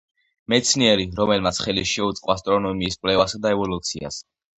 მეცნიერი, რომელმაც ხელი შეუწყო ასტრონომიის კვლევასა და ევოლუციას.